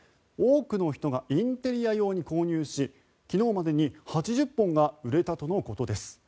多くの人がインテリア用に購入し昨日までに８０本が売れたとのことです。